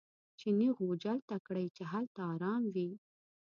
چیني غوجل ته کړئ چې هلته ارام وي.